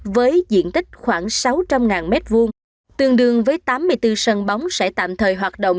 với diện tích khoảng sáu trăm linh m hai tương đương với tám mươi bốn sân bóng sẽ tạm thời hoạt động